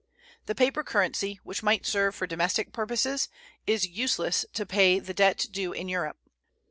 The paper currency, which might serve for domestic purposes, is useless to pay the debt due in Europe.